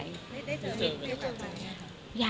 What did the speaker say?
ได้เจออะไร